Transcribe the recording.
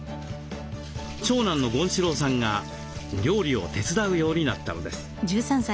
長男の権志朗さんが料理を手伝うようになったのです。